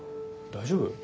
大丈夫？